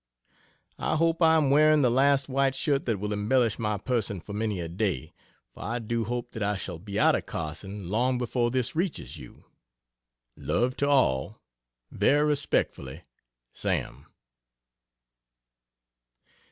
I hope I am wearing the last white shirt that will embellish my person for many a day for I do hope that I shall be out of Carson long before this reaches you. Love to all. Very Respectfully SAM.